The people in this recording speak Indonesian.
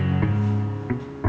tidak ada yang bisa dikira